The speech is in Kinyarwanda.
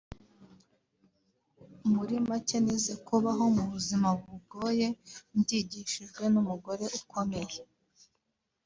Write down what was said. muri make nize kubaho mu buzima bugoye mbyigishijwe n’umugore ukomeye”